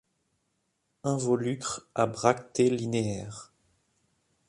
Involucre à bractées linéaires.